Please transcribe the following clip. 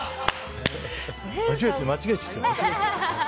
間違えちゃったって。